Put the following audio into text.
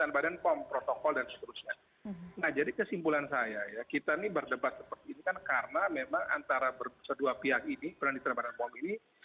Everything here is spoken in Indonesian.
nah jadi kesimpulan saya ya kita nih berdebat seperti ini kan karena memang antara kedua pihak ini penelitian badan pom ini